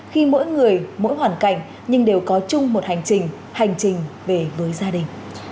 khi mỗi người mỗi hoàn cảnh nhưng đều có chung một hành trình hành trình về với gia đình